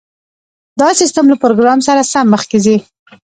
دا سیستم له پروګرام سره سم مخکې ځي